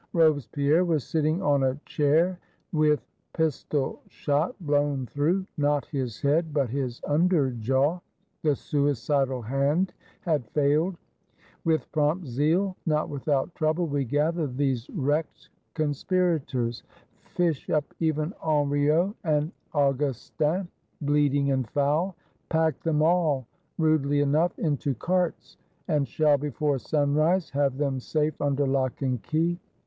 Robespierre was sitting on a chair, with pistol shot blown through, not his head, but his under jaw; the suicidal hand had failed. With prompt zeal, not without trouble, we gather these wrecked Conspirators; fish up even Henriot and Augus tin, bleeding and foul; pack them all, rudely enough, into carts; and shall, before sunrise, have them safe under lock and key.